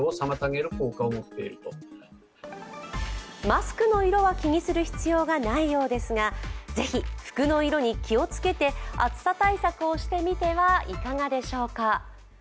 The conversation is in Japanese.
マスクの色は気にする必要がないようですがぜひ服の色を気をつけて暑さ対策をしてみてはいかがでしょうか。